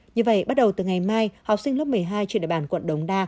như vậy bắt đầu từ ngày mai học sinh lớp một mươi hai trên địa bàn quận đống đa